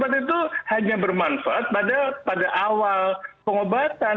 karena obat itu hanya bermanfaat pada awal pengobatan